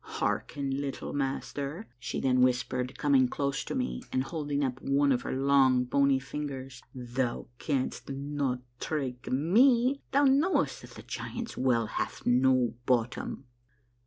"Hearken, little master," she then whispered, coming close to me, and holding up one of her long, bony fingers, "thou canst not trick me — thou knowest that the Giants' Well hath no bottom."